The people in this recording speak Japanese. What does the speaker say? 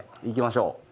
いきましょう。